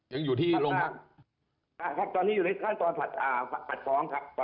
ยังอยู่ที่ลงครับครับตอนนี้อยู่ในขั้นตอนผลัดอ่าผลัดฟร้องครับ